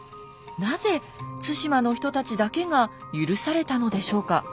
なぜ対馬の人たちだけが許されたのでしょうか。